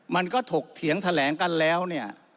ถกเถียงแถลงกันแล้วเนี่ย